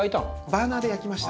バーナーで焼きました。